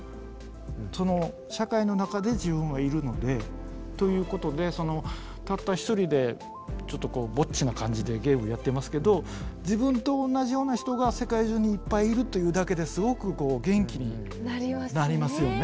その社会の中で自分はいるので。ということでたった一人でちょっとぼっちな感じでゲームやってますけど自分と同じような人が世界中にいっぱいいるというだけですごく元気になりますよね。